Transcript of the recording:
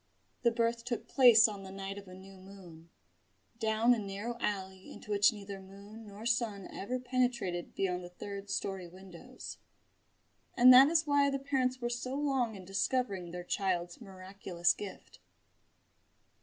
The birth took place on the night of a new moon, down a narrow alley into which neither moon nor sun ever penetrated beyond the third storey windows and that is why the parents were so long in discovering their child's miraculous gift.